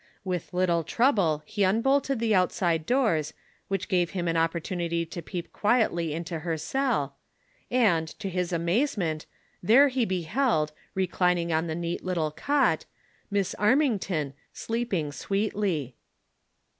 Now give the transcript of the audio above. With little trouble he unbolted tlie outside doors, which gave him an opportunity to peep quietly into her cell, and, to his amazement, tliere he beheld, reclining on the neat little cot, Miss Armington, sleeping sweetly.